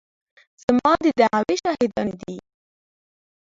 زما د دعوې شاهدانې دي.